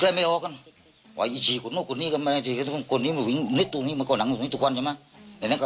เป็นอย่างน้อยต์กานแรก